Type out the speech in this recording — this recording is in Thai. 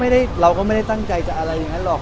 เราก็ไม่ได้ตั้งใจจะอะไรอย่างนั้นหรอก